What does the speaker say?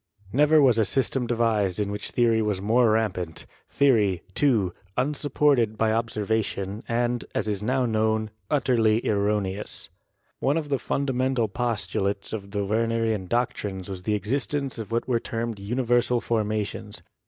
Never was a system devised in which theory was more rampant ; theory, 54 GEOLOGY too, unsupported by observation, and, as is now known, utterly erroneous. One of the fundamental postulates of the Wernerian doctrines was the existence of what were termed universal formations.